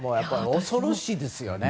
恐ろしいですよね。